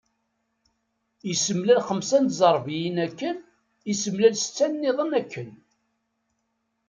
Issemlal xemsa n tẓerbiyin akken, issemlal setta-nniḍen akken.